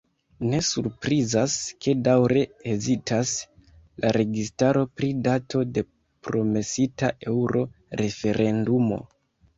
Ne surprizas, ke daŭre hezitas la registaro pri dato de promesita eŭro-referendumo.